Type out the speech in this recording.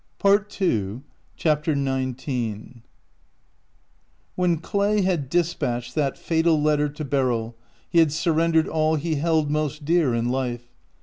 224 CHAPTER XIX WHEN Clay had dispatched that fatal letter to Beryl he had surrendered all he held most dear in life.